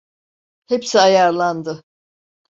Hepsi ayarlandı.